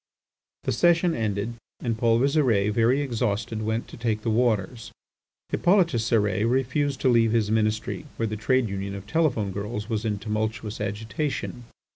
The session ended, and Paul Visire, very exhausted, went to take the waters. Hippolyte Cérès refused to leave his Ministry, where the trade union of telephone girls was in tumultuous agitation.